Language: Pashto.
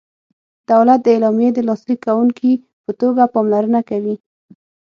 دولت د اعلامیې د لاسلیک کوونکي په توګه پاملرنه کوي.